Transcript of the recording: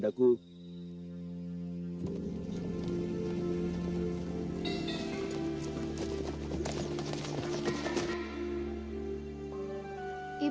jika kau tak beraninya